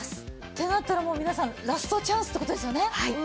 ってなったらもう皆さんラストチャンスって事ですよね？